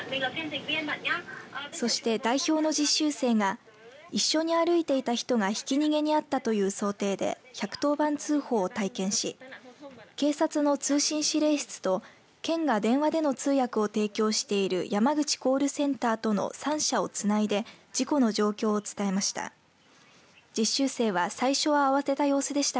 そして、代表の実習生が一緒に歩いていた人がひき逃げに遭ったという想定で１１０番通報を体験し警察の通信指令室と県が電話での通訳を提供しているやまぐちコールセンターとの３者をつないで事故の状況を伝えました。